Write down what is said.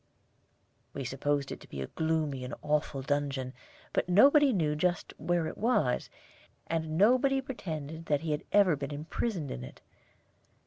We supposed it to be a gloomy and awful dungeon, but nobody knew just where it was, and nobody pretended that he had ever been imprisoned in it.